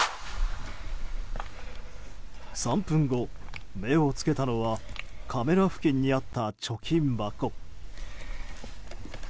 ３分後、目を付けたのはカメラ付近にあった貯金箱。